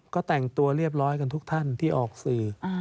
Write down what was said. ก็แต่งตัวเรียบร้อยกันทุกท่านที่ออกสื่อ